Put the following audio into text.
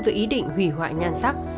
với ý định hủy hoại nhan sắc